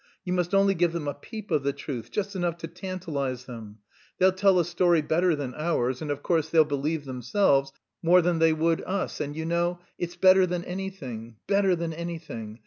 You must only give them a peep of the truth, just enough to tantalise them. They'll tell a story better than ours, and of course they'll believe themselves more than they would us; and you know, it's better than anything better than anything!